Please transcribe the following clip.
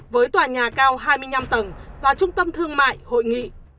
với tòa nhà cao hai mươi năm tầng và trung tâm thương mại hội nghị